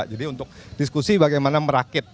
jadi untuk diskusi bagaimana merakit